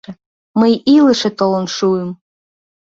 — Мый илыше толын шуым.